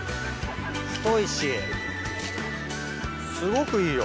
太いし、すごくいいよ。